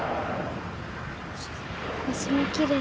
星もきれい。